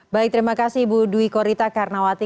baik terima kasih ibu dwi korita karnawati